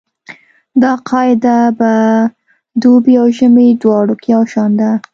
دا قاعده په دوبي او ژمي دواړو کې یو شان ده